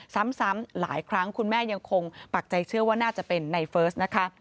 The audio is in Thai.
ซ้ำหลายครั้งคุณแม่ยังคงปักใจเชื่อว่าน่าจะเป็นในเฟิร์สนะคะ